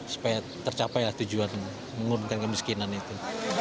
supaya tercapai tujuan mengurunkan kemiskinan itu